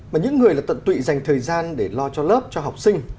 mà những người là tận tụy dành thời gian để lo cho lớp cho học sinh